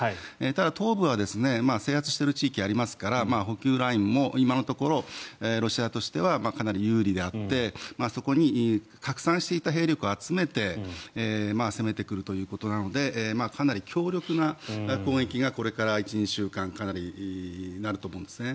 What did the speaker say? ただ、東部は制圧している地域がありますから補給ラインも今のところロシアとしてはかなり有利であってそこに拡散していた兵力を集めて攻めてくるということなのでかなり強力な攻撃がこれから１２週間かなりあると思いますね。